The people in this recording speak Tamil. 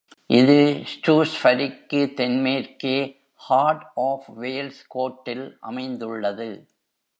இது ஷ்ரூஸ்பரிக்கு தென்மேற்கே ஹார்ட் ஆஃப் வேல்ஸ் கோட்டில் அமைந்துள்ளது.